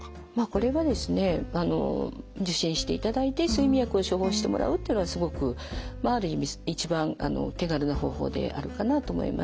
これはですね受診していただいて睡眠薬を処方してもらうっていうのがすごくまあある意味一番手軽な方法であるかなと思います。